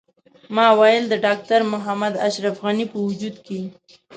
ما ویل د ډاکټر محمد اشرف غني په وجود کې.